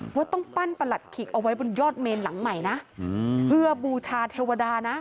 ว่าต้องปั้นประหลัดขิกเอาไว้บนยอดเมนหลังใหม่นะเพื่อบูชาเทวดานะ